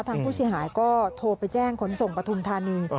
ทางผู้เสียหายก็โทรไปแจ้งขนส่งปฐุมธานี